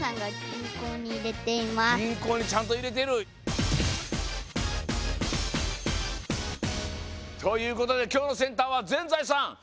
銀行にちゃんと入れてる。ということで今日のセンターは全財産